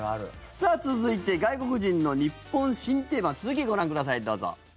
さあ、続いて外国人のニッポン新定番続きご覧ください、どうぞ。